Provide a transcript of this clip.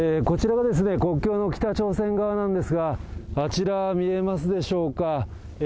こちらがですね、国境の北朝鮮側なんですが、あちら、見えますでしょうか。